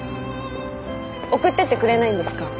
送ってってくれないんですか？